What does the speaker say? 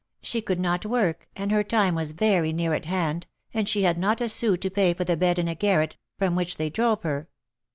She could not work, and her time was very near at hand, and she had not a son to pay for the bed in a garret, from which they drove her.